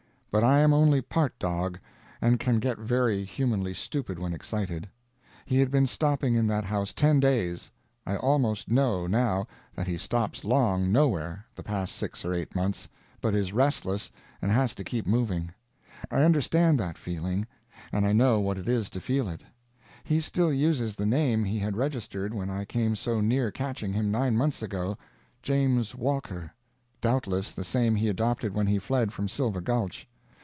But I am only part dog, and can get very humanly stupid when excited. He had been stopping in that house ten days; I almost know, now, that he stops long nowhere, the past six or eight months, but is restless and has to keep moving. I understand that feeling! and I know what it is to feel it. He still uses the name he had registered when I came so near catching him nine months ago "James Walker"; doubtless the same he adopted when he fled from Silver Gulch.